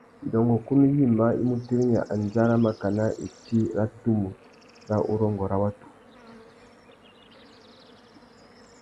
Widôngôkunú yïmá i mu tirimiya andjara makana itsi râ tumu râ urrôngô râ watu.